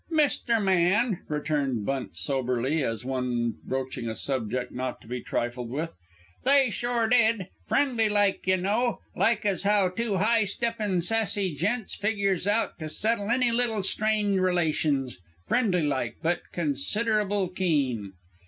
"Mister Man," returned Bunt soberly, as one broaching a subject not to be trifled with, "They sure did. Friendly like, y'know like as how two high steppin', sassy gents figures out to settle any little strained relations friendly like but considerable keen."